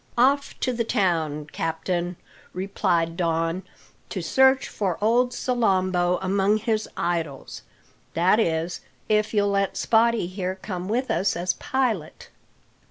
"Off to the town, captain," replied Don, "to search for old Salambo among his idols. That is, if you'll let Spottie here come with us as pilot."